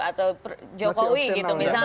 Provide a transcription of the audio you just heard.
atau jokowi gitu misalnya